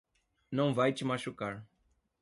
Não vai te machucar.